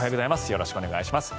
よろしくお願いします。